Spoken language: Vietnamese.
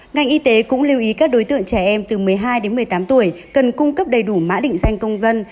ngành y tế cũng lưu ý các đối tượng trẻ em từ một mươi hai đến một mươi tám tuổi cần cung cấp đầy đủ mã định danh công dân